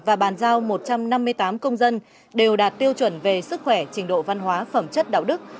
và bàn giao một trăm năm mươi tám công dân đều đạt tiêu chuẩn về sức khỏe trình độ văn hóa phẩm chất đạo đức